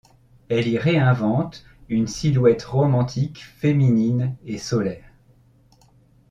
Elle y réinvente une silhouette romantique, féminine et solaire.